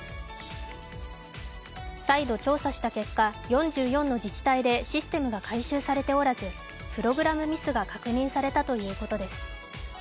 再度調査した結果４４の自治体でシステムが改修されておらずプログラムミスが確認されたということです。